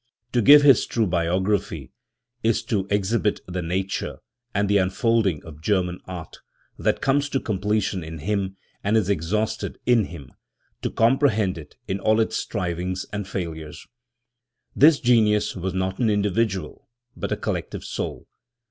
To give his true bio graphy is to exhibit the nature and the unfolding of German art, that cornes to completion in him and is exhausted in him, to comprehend it in all its strivings and its failures. 4 II. The Origin of the Texts of the Chorales, This genius was not an individual, but a collective soul.